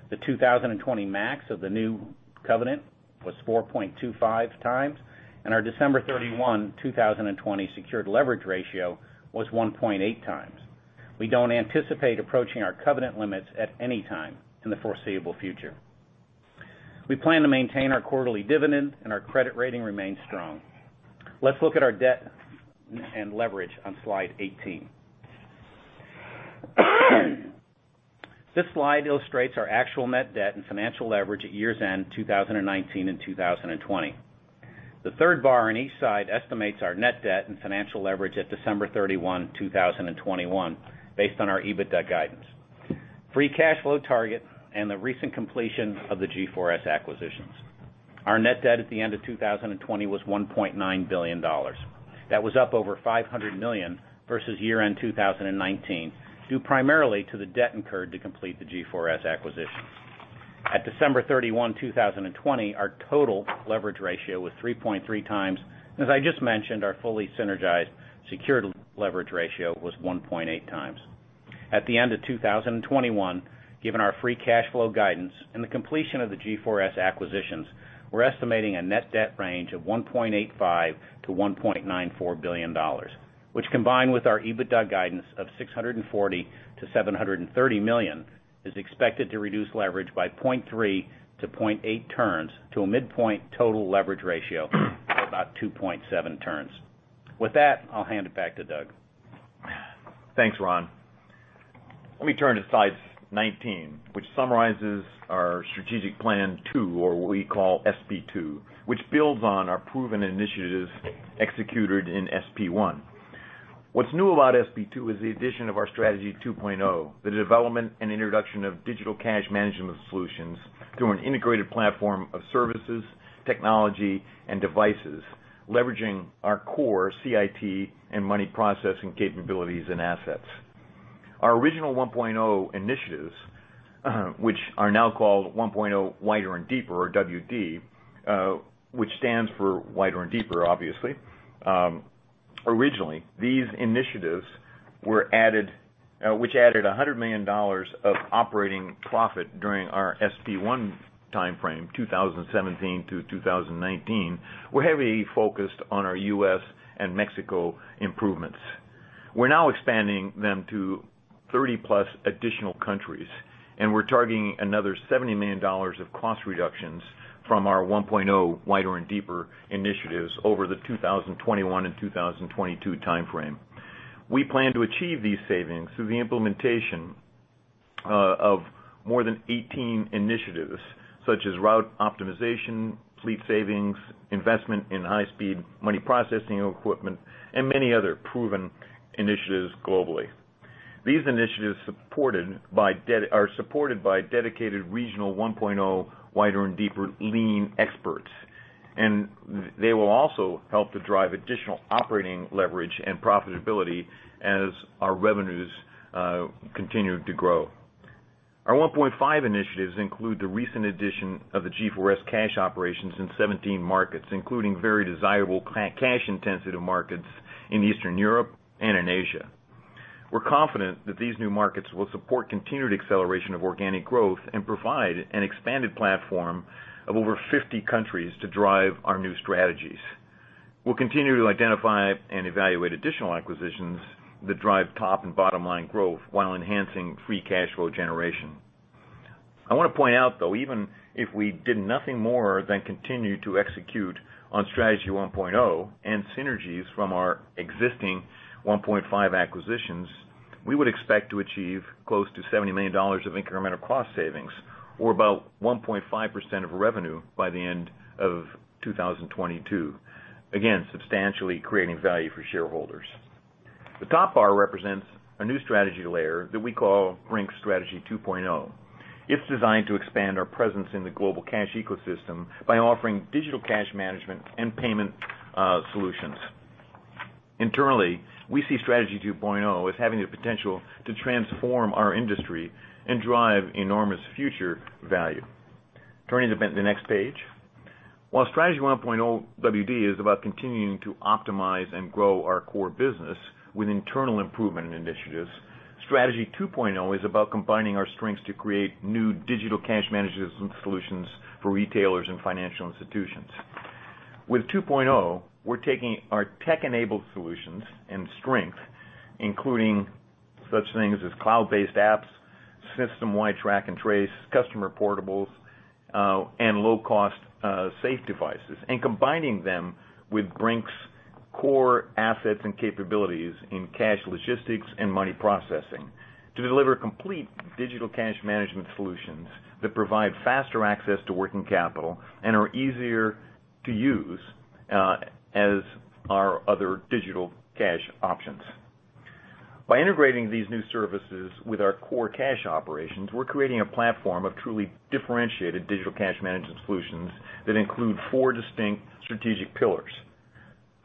The 2020 max of the new covenant was 4.25x, and our December 31, 2020, secured leverage ratio was 1.8x. We don't anticipate approaching our covenant limits at any time in the foreseeable future. We plan to maintain our quarterly dividend, and our credit rating remains strong. Let's look at our debt and leverage on slide 18. This slide illustrates our actual net debt and financial leverage at year-end 2019 and 2020. The third bar on each side estimates our net debt and financial leverage at December 31, 2021, based on our EBITDA guidance, free cash flow target, and the recent completion of the G4S acquisitions. Our net debt at the end of 2020 was $1.9 billion. That was up over $500 million versus year-end 2019, due primarily to the debt incurred to complete the G4S acquisition. At December 31, 2020, our total leverage ratio was 3.3x, and as I just mentioned, our fully synergized secured leverage ratio was 1.8x. At the end of 2021, given our free cash flow guidance and the completion of the G4S acquisitions, we're estimating a net debt range of $1.85 billion-$1.94 billion, which, combined with our EBITDA guidance of $640 million-$730 million, is expected to reduce leverage by 0.3-0.8 turns to a midpoint total leverage ratio of about 2.7 turns. With that, I'll hand it back to Doug. Thanks, Ron. Let me turn to slide 19, which summarizes our strategic plan two, or what we call SP2, which builds on our proven initiatives executed in SP1. What's new about SP2 is the addition of our Strategy 2.0, the development and introduction of digital cash management solutions through an integrated platform of services, technology, and devices, leveraging our core CIT and money processing capabilities and assets. Our original 1.0 initiatives, which are now called 1.0 Wider and Deeper or WD, which stands for Wider and Deeper, obviously. These initiatives, which added $100 million of operating profit during our SP1 timeframe, 2017-2019, were heavily focused on our U.S. and Mexico improvements. We're now expanding them to 30+ additional countries, and we're targeting another $70 million of cost reductions from our 1.0 Wider and Deeper initiatives over the 2021-2022 timeframe. We plan to achieve these savings through the implementation of more than 18 initiatives, such as route optimization, fleet savings, investment in high-speed money processing equipment, and many other proven initiatives globally. These initiatives are supported by dedicated regional 1.0 Wider and Deeper lean experts, and they will also help to drive additional operating leverage and profitability as our revenues continue to grow. Our 1.5 initiatives include the recent addition of the G4S cash operations in 17 markets, including very desirable cash-intensive markets in Eastern Europe and in Asia. We're confident that these new markets will support continued acceleration of organic growth and provide an expanded platform of over 50 countries to drive our new strategies. We'll continue to identify and evaluate additional acquisitions that drive top and bottom-line growth while enhancing free cash flow generation. I want to point out, though, even if we did nothing more than continue to execute on Strategy 1.0 and synergies from our existing 1.5 acquisitions, we would expect to achieve close to $70 million of incremental cost savings or about 1.5% of revenue by the end of 2022. Again, substantially creating value for shareholders. The top bar represents a new strategy layer that we call Brink's Strategy 2.0. It's designed to expand our presence in the global cash ecosystem by offering digital cash management and payment solutions. Internally, we see Strategy 2.0 as having the potential to transform our industry and drive enormous future value. Turning to the next page. While Strategy 1.0 WD is about continuing to optimize and grow our core business with internal improvement initiatives, Strategy 2.0 is about combining our strengths to create new digital cash management solutions for retailers and financial institutions. With 2.0, we're taking our tech-enabled solutions and strengths, including such things as cloud-based apps, system-wide track and trace, customer portables, and low-cost safe devices, and combining them with Brink's core assets and capabilities in cash logistics and money processing to deliver complete digital cash management solutions that provide faster access to working capital and are easier to use as our other digital cash options. By integrating these new services with our core cash operations, we're creating a platform of truly differentiated digital cash management solutions that include four distinct strategic pillars.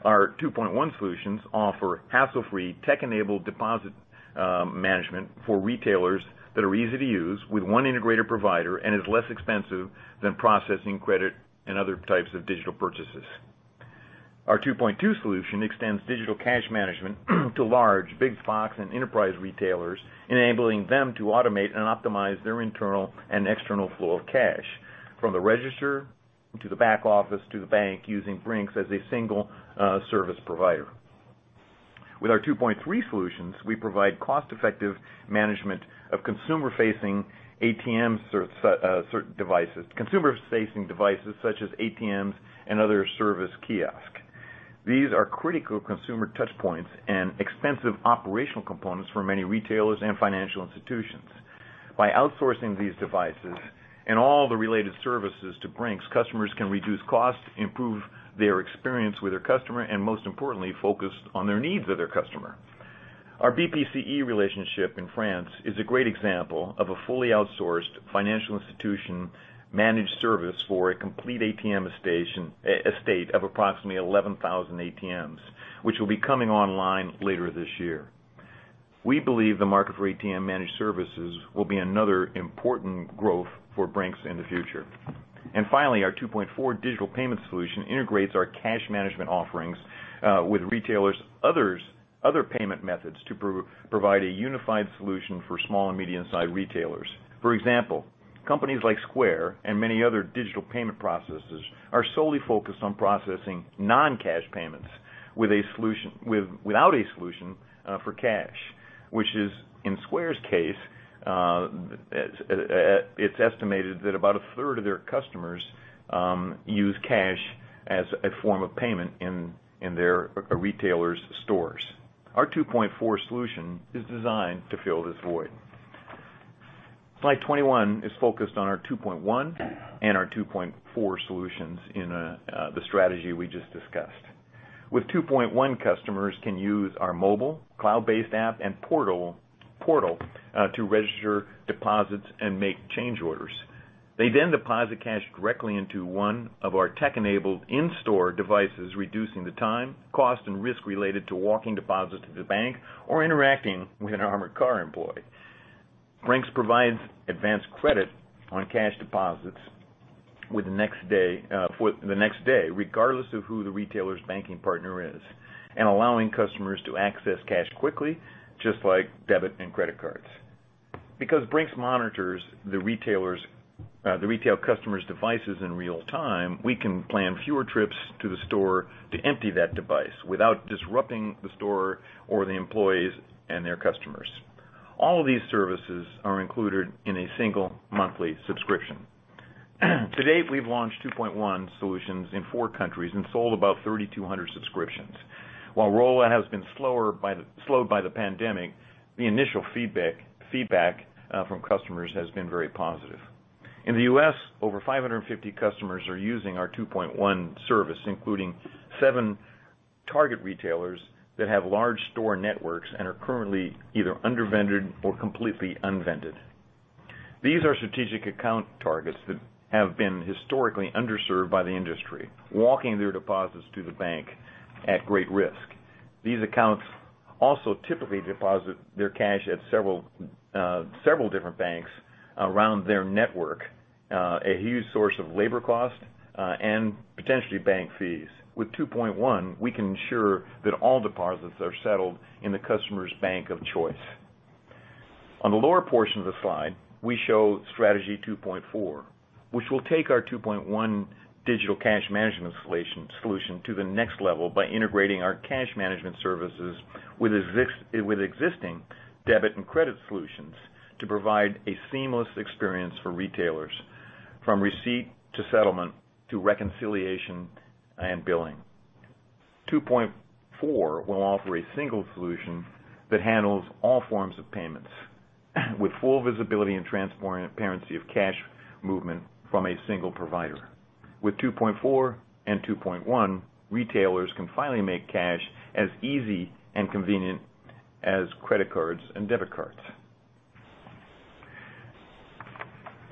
Our 2.1 solutions offer hassle-free, tech-enabled deposit management for retailers that are easy to use with one integrated provider and is less expensive than processing credit and other types of digital purchases. Our 2.2 solution extends digital cash management to large big box and enterprise retailers, enabling them to automate and optimize their internal and external flow of cash from the register to the back office to the bank, using Brink's as a single service provider. With our 2.3 solutions, we provide cost-effective management of consumer-facing devices such as ATMs and other service kiosk. These are critical consumer touchpoints and extensive operational components for many retailers and financial institutions. By outsourcing these devices and all the related services to Brink's, customers can reduce costs, improve their experience with their customer, and most importantly, focus on their needs of their customer. Our BPCE relationship in France is a great example of a fully outsourced financial institution-managed service for a complete ATM estate of approximately 11,000 ATMs, which will be coming online later this year. We believe the market for ATM managed services will be another important growth for Brink's in the future. Finally, our 2.4 digital payment solution integrates our cash management offerings with retailers' other payment methods to provide a unified solution for small and medium-sized retailers. For example, companies like Square and many other digital payment processors are solely focused on processing non-cash payments without a solution for cash, which is, in Square's case, it's estimated that about 1/3 of their customers use cash as a form of payment in their retailers' stores. Our 2.4 solution is designed to fill this void. Slide 21 is focused on our 2.1 and our 2.4 solutions in the strategy we just discussed. With 2.1, customers can use our mobile cloud-based app and portal to register deposits and make change orders. They deposit cash directly into one of our tech-enabled in-store devices, reducing the time, cost, and risk related to walking deposits to the bank or interacting with an armored car employee. Brink's provides advance credit on cash deposits for the next day, regardless of who the retailer's banking partner is, and allowing customers to access cash quickly, just like debit and credit cards. Because Brink's monitors the retail customers' devices in real time, we can plan fewer trips to the store to empty that device without disrupting the store or the employees and their customers. All of these services are included in a single monthly subscription. To date, we've launched 2.1 solutions in four countries and sold about 3,200 subscriptions. While rollout has been slowed by the pandemic, the initial feedback from customers has been very positive. In the U.S., over 550 customers are using our 2.1 Service, including seven target retailers that have large store networks and are currently either under-vended or completely unvended. These are strategic account targets that have been historically underserved by the industry, walking their deposits to the bank at great risk. These accounts also typically deposit their cash at several different banks around their network, a huge source of labor cost, and potentially bank fees. With 2.1, we can ensure that all deposits are settled in the customer's bank of choice. On the lower portion of the slide, we show Strategy 2.4, which will take our 2.1 digital cash management solution to the next level by integrating our cash management services with existing debit and credit solutions to provide a seamless experience for retailers from receipt to settlement to reconciliation and billing. 2.4 will offer a single solution that handles all forms of payments with full visibility and transparency of cash movement from a single provider. With 2.4 and 2.1, retailers can finally make cash as easy and convenient as credit cards and debit cards.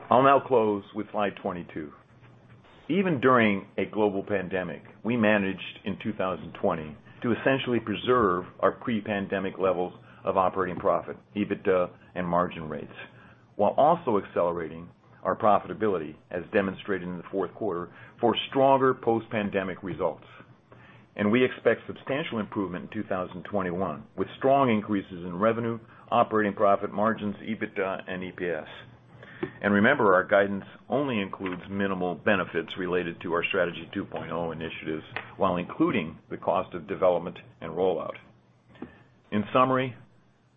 I'll now close with slide 22. Even during a global pandemic, we managed in 2020 to essentially preserve our pre-pandemic levels of operating profit, EBITDA, and margin rates, while also accelerating our profitability, as demonstrated in the fourth quarter, for stronger post-pandemic results. We expect substantial improvement in 2021, with strong increases in revenue, operating profit margins, EBITDA, and EPS. Remember, our guidance only includes minimal benefits related to our Strategy 2.0 initiatives, while including the cost of development and rollout. In summary,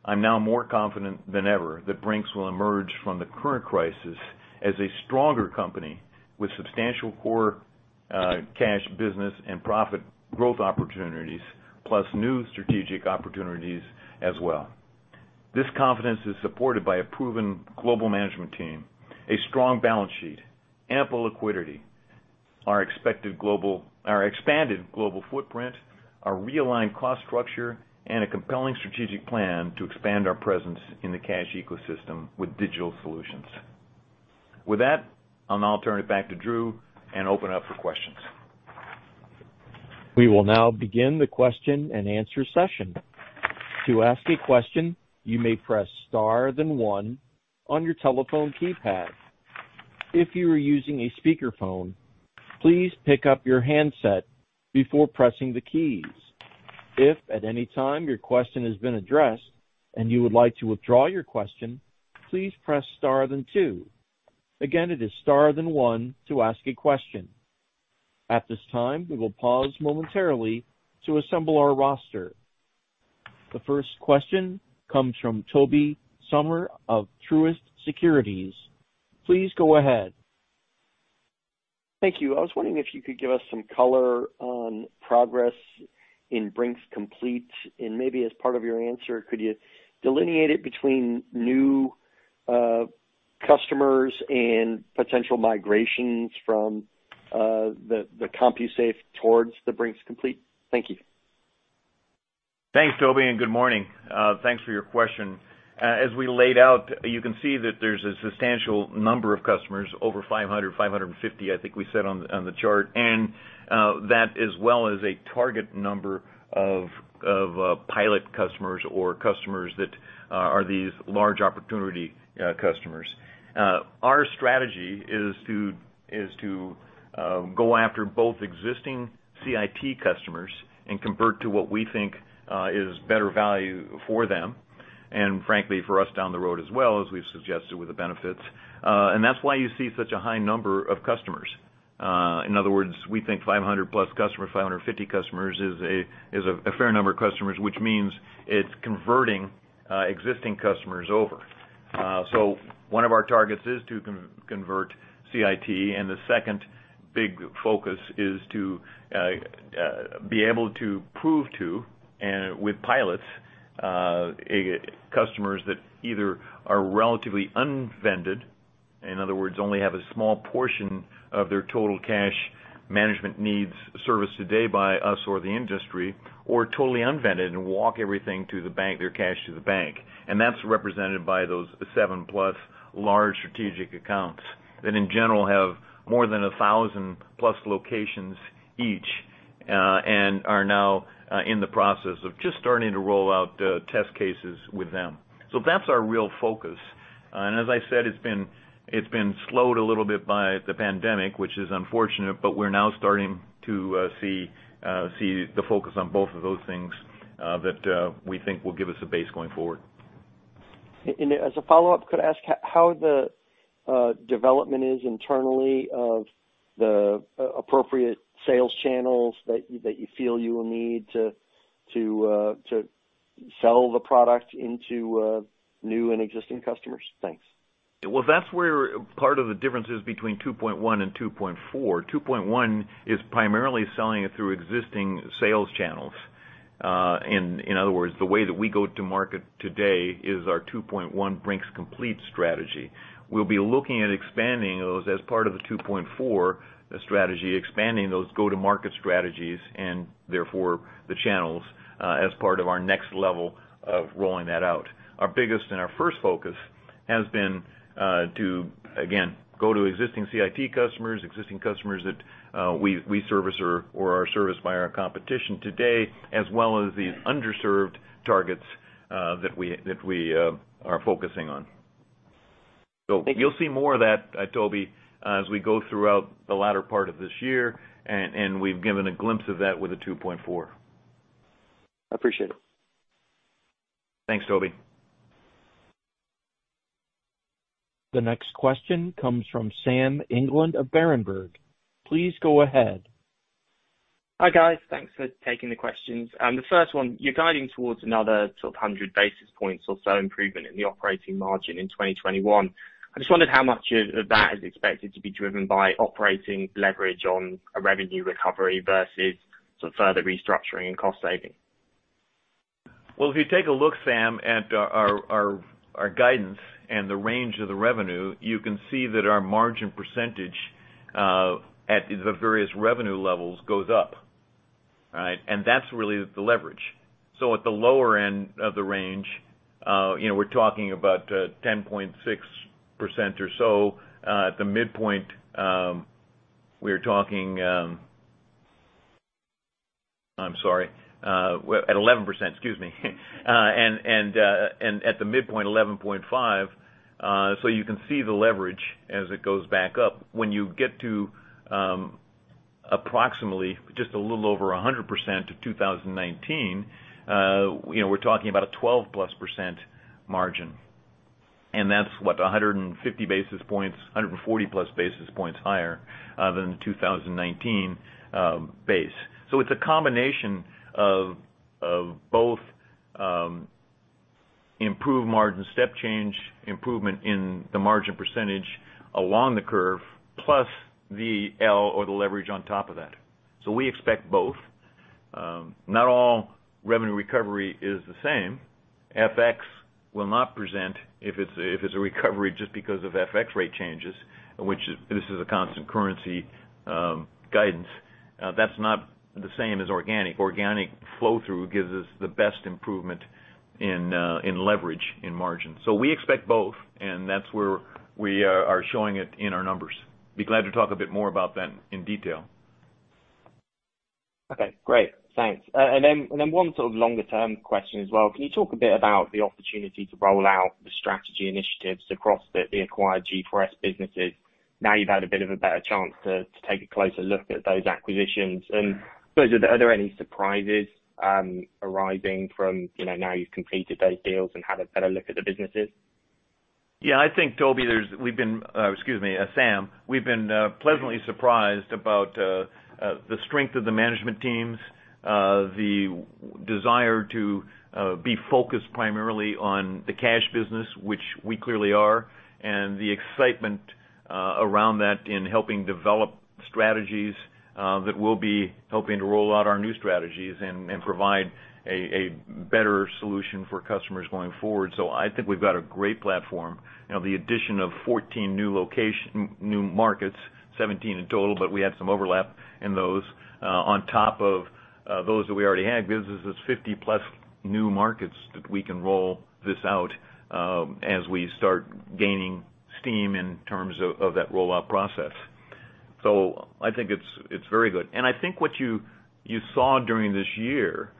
I'm now more confident than ever that Brink's will emerge from the current crisis as a stronger company with substantial core cash business and profit growth opportunities, plus new strategic opportunities as well. This confidence is supported by a proven global management team, a strong balance sheet, ample liquidity, our expanded global footprint, our realigned cost structure, and a compelling strategic plan to expand our presence in the cash ecosystem with digital solutions. With that, I'll now turn it back to Drew and open up for questions. We will now begin the question-and-answer session. To ask a question, you may press star then one on your telephone keypad. If you are using a speakerphone, please pick up your handset before pressing the keys. If at any time your question has been addressed and you would like to withdraw your question, please press star then two. Again, it is star then one to ask a question. As this time, we will pause momentarily to assemble our roster. The first question comes from Tobey Sommer of Truist Securities. Please go ahead. Thank you. I was wondering if you could give us some color on progress in Brink's Complete, and maybe as part of your answer, could you delineate it between new customers and potential migrations from the CompuSafe towards the Brink's Complete? Thank you. Thanks, Tobey, and good morning. Thanks for your question. As we laid out, you can see that there's a substantial number of customers, over 500, 550, I think we said on the chart, and that as well as a target number of pilot customers or customers that are these large opportunity customers. Our strategy is to go after both existing CIT customers and convert to what we think is better value for them, and frankly, for us down the road as well, as we've suggested with the benefits. That's why you see such a high number of customers. In other words, we think 500+ customers, 550 customers is a fair number of customers, which means it's converting existing customers over. One of our targets is to convert CIT. The second big focus is to be able to prove to, with pilots, customers that either are relatively unvended, in other words, only have a small portion of their total cash management needs service today by us or the industry, or totally unvended and walk everything to the bank, their cash to the bank. That's represented by those 7+ large strategic accounts that in general have more than 1,000+ locations each and are now in the process of just starting to roll out test cases with them. That's our real focus. As I said, it's been slowed a little bit by the pandemic, which is unfortunate, but we're now starting to see the focus on both of those things that we think will give us a base going forward. As a follow-up, could I ask how the development is internally of the appropriate sales channels that you feel you will need to sell the product into new and existing customers? Thanks. Well, that's where part of the difference is between 2.1 and 2.4. 2.1 is primarily selling it through existing sales channels. In other words, the way that we go to market today is our 2.1 Brink's Complete strategy. We'll be looking at expanding those as part of the 2.4 strategy, expanding those go-to-market strategies and therefore the channels as part of our next level of rolling that out. Our biggest and our first focus has been to, again, go to existing CIT customers, existing customers that we service or are serviced by our competition today, as well as the underserved targets that we are focusing on. Thank you. You'll see more of that, Tobey, as we go throughout the latter part of this year, and we've given a glimpse of that with the 2.4. Appreciate it. Thanks, Tobey. The next question comes from Sam England of Berenberg. Please go ahead. Hi, guys. Thanks for taking the questions. The first one, you're guiding towards another sort of 100 basis points or so improvement in the operating margin in 2021. I just wondered how much of that is expected to be driven by operating leverage on a revenue recovery versus some further restructuring and cost saving. Well, if you take a look, Sam, at our guidance and the range of the revenue, you can see that our margin percentage at the various revenue levels goes up. All right? That's really the leverage. At the lower end of the range, we're talking about 10.6% or so. At the midpoint, we are talking I'm sorry, at 11%, excuse me. At the midpoint, 11.5%. You can see the leverage as it goes back up. When you get to approximately just a little over 100% of 2019, we're talking about a 12+% margin, and that's what? 150 basis points, 140+ basis points higher than the 2019 base. It's a combination of both improved margin step change, improvement in the margin percentage along the curve, plus the L or the leverage on top of that. We expect both. Not all revenue recovery is the same. FX will not present if it's a recovery just because of FX rate changes, which this is a constant currency guidance. That's not the same as organic. Organic flow-through gives us the best improvement in leverage in margin. We expect both, and that's where we are showing it in our numbers. Be glad to talk a bit more about that in detail. Okay, great. Thanks. Then one sort of longer-term question as well. Can you talk a bit about the opportunity to roll out the strategy initiatives across the acquired G4S businesses now you've had a bit of a better chance to take a closer look at those acquisitions? Are there any surprises arising from now you've completed those deals and had a better look at the businesses? I think, Tobey, Excuse me, Sam. We've been pleasantly surprised about the strength of the management teams, the desire to be focused primarily on the cash business, which we clearly are, and the excitement around that in helping develop strategies that will be helping to roll out our new strategies and provide a better solution for customers going forward. I think we've got a great platform. The addition of 14 new markets, 17 in total, but we had some overlap in those, on top of those that we already had gives us 50+ new markets that we can roll this out as we start gaining steam in terms of that rollout process. I think it's very good. I think what you saw during this year,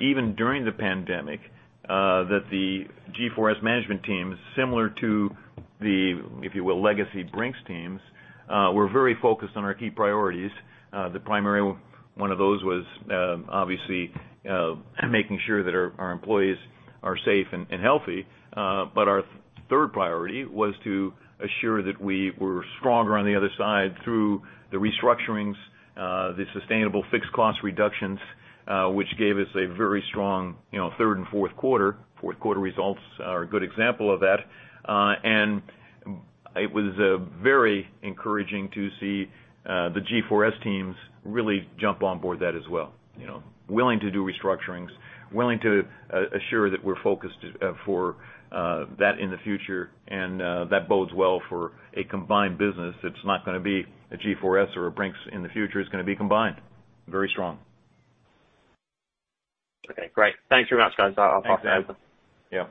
even during the pandemic, that the G4S management team, similar to the, if you will, legacy Brink's teams were very focused on our key priorities. The primary one of those was obviously making sure that our employees are safe and healthy. Our third priority was to assure that we were stronger on the other side through the restructurings, the sustainable fixed cost reductions, which gave us a very strong third and fourth quarter. Fourth quarter results are a good example of that. It was very encouraging to see the G4S teams really jump on board that as well. Willing to do restructurings, willing to assure that we're focused for that in the future, and that bodes well for a combined business. It's not going to be a G4S or a Brink's in the future. It's going to be combined. Very strong. Okay, great. Thanks very much, guys. I'll pass it over. Thanks, Sam.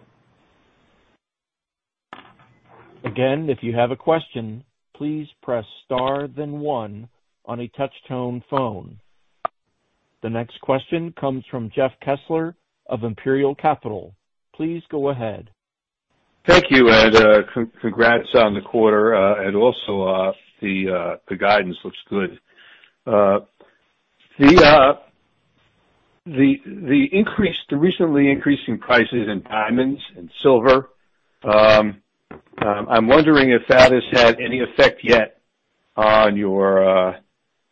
Yeah. If you have a question, please press star then one on a touch-tone phone. The next question comes from Jeff Kessler of Imperial Capital. Please go ahead. Thank you. Congrats on the quarter. Also, the guidance looks good. The recently increasing prices in diamonds and silver, I'm wondering if that has had any effect yet on your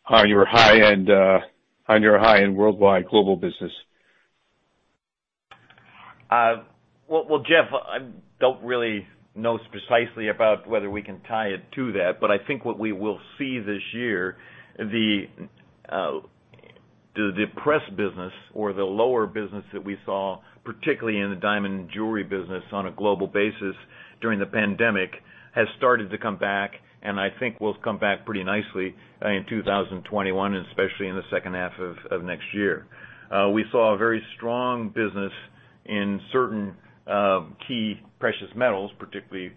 high-end worldwide global business? Well, Jeff, I don't really know precisely about whether we can tie it to that, but I think what we will see this year, the depressed business or the lower business that we saw, particularly in the diamond jewelry business on a global basis during the pandemic, has started to come back. I think will come back pretty nicely in 2021, and especially in the second half of next year. We saw a very strong business in certain key precious metals, particularly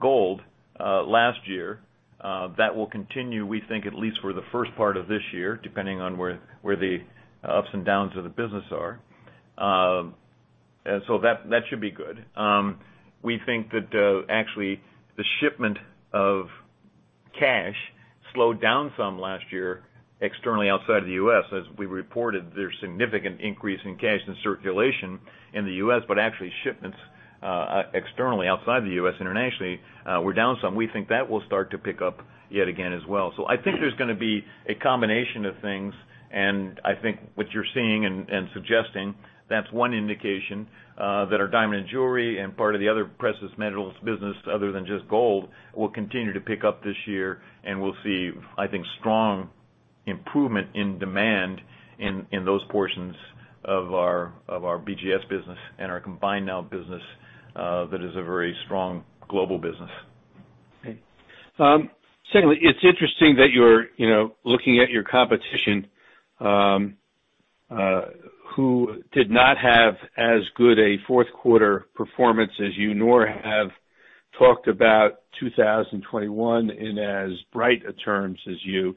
gold, last year. That will continue, we think, at least for the first part of this year, depending on where the ups and downs of the business are. That should be good. We think that actually the shipment of cash slowed down some last year externally outside the U.S. As we reported, there's significant increase in cash and circulation in the U.S., but actually shipments externally outside the U.S. internationally were down some. We think that will start to pick up yet again as well. I think there's going to be a combination of things, and I think what you're seeing and suggesting, that's one indication that our diamond jewelry and part of the other precious metals business other than just gold will continue to pick up this year. We'll see, I think, strong improvement in demand in those portions of our Brink's Global Services business and our combined now business that is a very strong global business. Okay. Secondly, it's interesting that you're looking at your competition who did not have as good a fourth quarter performance as you, nor have talked about 2021 in as bright terms as you.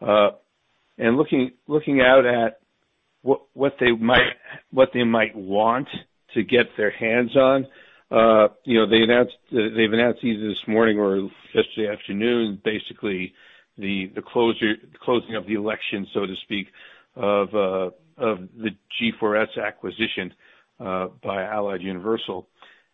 Looking out at what they might want to get their hands on. They've announced either this morning or yesterday afternoon basically the closing of the acquisition, so to speak, of the G4S acquisition by Allied Universal.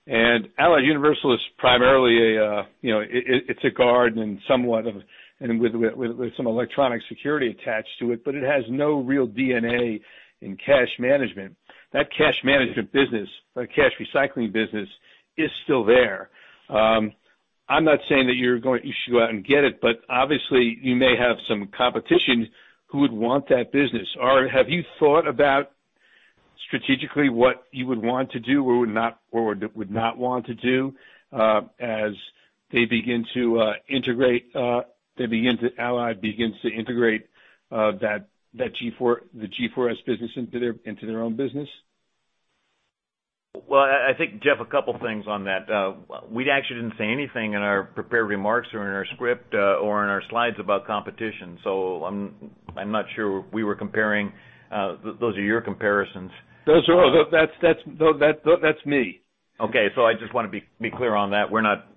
Allied Universal is primarily a guard and somewhat with some electronic security attached to it, but it has no real DNA in cash management. That cash management business, that cash recycling business is still there. I'm not saying that you should go out and get it, but obviously you may have some competition who would want that business. Have you thought about strategically what you would want to do or would not want to do as <audio distortion> Allied begins to integrate the G4S business into their own business? Well, I think, Jeff, a couple things on that. We actually didn't say anything in our prepared remarks or in our script or in our slides about competition. I'm not sure we were comparing. Those are your comparisons. That's me. Okay. I just want to be clear on that. We're not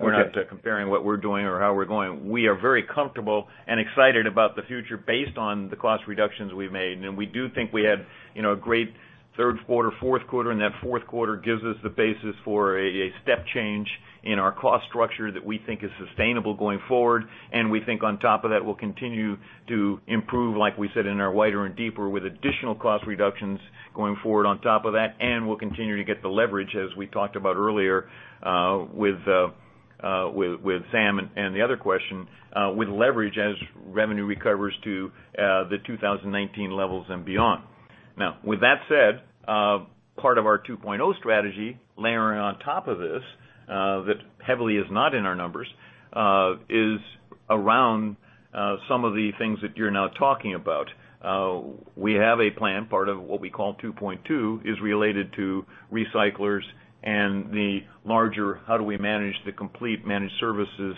comparing what we're doing or how we're going. We are very comfortable and excited about the future based on the cost reductions we've made. We do think we had a great third quarter, fourth quarter, and that fourth quarter gives us the basis for a step change in our cost structure that we think is sustainable going forward. We think on top of that, we'll continue to improve, like we said, in our Wider and Deeper with additional cost reductions going forward on top of that. We'll continue to get the leverage, as we talked about earlier with Sam and the other question, with leverage as revenue recovers to the 2019 levels and beyond. Now, with that said, part of our Strategy 2.0 layering on top of this that heavily is not in our numbers is around some of the things that you're now talking about. We have a plan, part of what we call 2.2 is related to recyclers and the larger how do we manage the complete managed services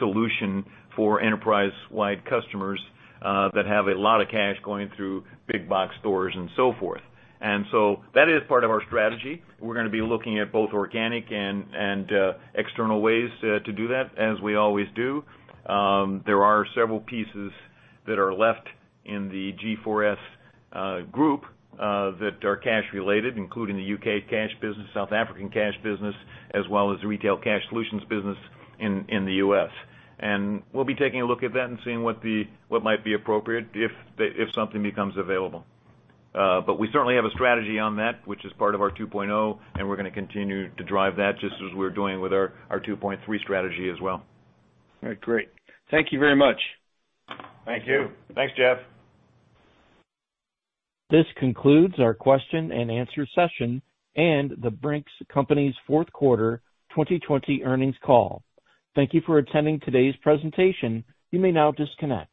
solution for enterprise-wide customers that have a lot of cash going through big box stores and so forth. That is part of our strategy. We're going to be looking at both organic and external ways to do that as we always do. There are several pieces that are left in the G4S that are cash related, including the U.K. cash business, South African cash business, as well as the retail cash solutions business in the U.S. We'll be taking a look at that and seeing what might be appropriate if something becomes available. We certainly have a strategy on that, which is part of our Strategy 2.0, and we're going to continue to drive that just as we're doing with our 2.3 strategy as well. All right, great. Thank you very much. Thank you. Thanks, Jeff. This concludes our question-and-answer session and The Brink's Company's fourth quarter 2020 earnings call. Thank you for attending today's presentation. You may now disconnect.